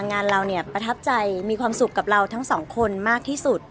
งานเราเนี่ยประทับใจมีความสุขกับเราทั้งสองคนมากที่สุด